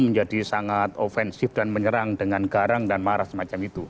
menjadi sangat offensif dan menyerang dengan garang dan marah semacam itu